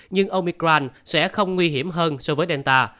nhưng omicran sẽ không nguy hiểm hơn so với delta